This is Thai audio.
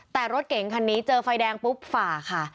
แต่รถเก๋งคันนี้เจอไฟแดงปุ๊บฝ่าค่ะ